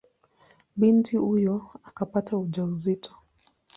Binti huyo akapata ujauzito.